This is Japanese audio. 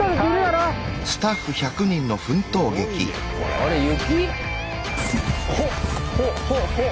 あれ雪？